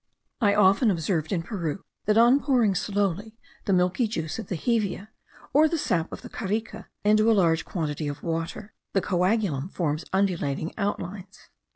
I often observed in Peru, that on pouring slowly the milky juice of the hevea, or the sap of the carica, into a large quantity of water, the coagulum forms undulating outlines.